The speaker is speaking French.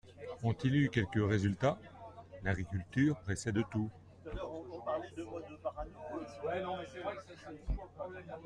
Ont-ils eu quelques résultats ? L'agriculture précède tout.